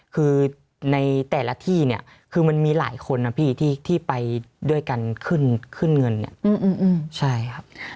คือในแต่ละที่เนี่ยคือมันมีหลายคนนะพี่ที่ไปด้วยกันขึ้นเงินเนี่ยใช่ครับ